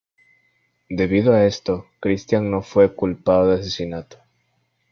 Debido a esto, Christian no fue culpado de asesinato.